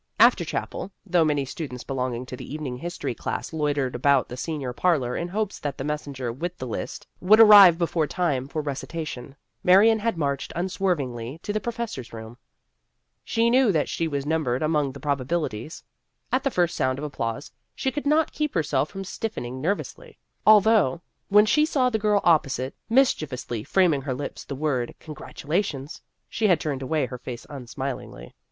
After Chapel, though many students belonging to the evening history class loitered about the senior parlor in hopes that the messenger with the list would arrive before time for recitation, Marion had marched unswervingly to the professor's room. She knew that she was numbered among the ''probabilities." At the first sound of applause she could not keep herself from stiffening nervously, al though, when she saw the girl opposite mis chievously framing with her lips the word, "congratulations," she had turned away her face unsmilingly.